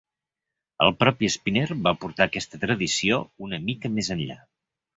El propi Spinner va portar aquesta tradició una mica més enllà.